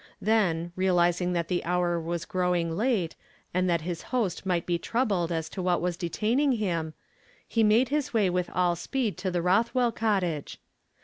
Then, realizing that the hour was growing late, and that his host might be troubled as to what was detaining him, he made his way with all spped to tbe Rothwell cottage.